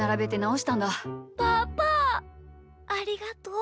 ありがとう。